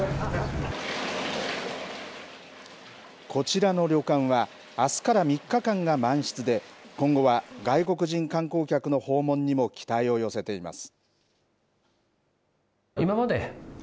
こちらの旅館は、あすから３日間が満室で、今後は外国人観光客の訪問にも期待を寄せています。